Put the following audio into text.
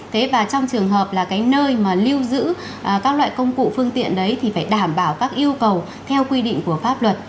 thế và trong trường hợp là cái nơi mà lưu giữ các loại công cụ phương tiện đấy thì phải đảm bảo các yêu cầu theo quy định của pháp luật